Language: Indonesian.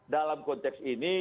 dalam konteks ini